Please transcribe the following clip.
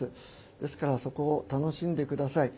ですからそこを楽しんで下さい。